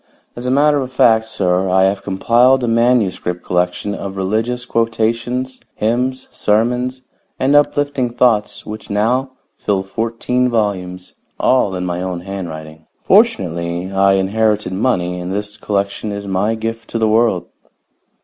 As a matter of fact, sir, I have compiled a manuscript collection of religious quotations, hymns, sermons and uplifting thoughts which now fill fourteen volumes, all in my own handwriting. Fortunately, I inherited money, and this collection is my gift to the world."